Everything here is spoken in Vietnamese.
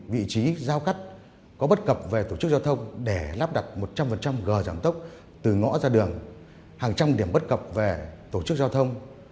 vị trí giao cắt có bất cập về tổ chức giao thông để lắp đặt một trăm linh gờ giảm tốc từ ngõ ra đường hàng trăm điểm bất cập về tổ chức giao thông